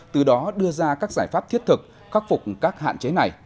từ đó đưa ra các giải pháp thiết thực khắc phục các hạn chế này